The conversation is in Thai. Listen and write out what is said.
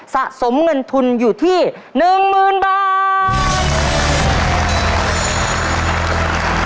สะสมเงินทุนอยู่ที่๑๐๐๐บาท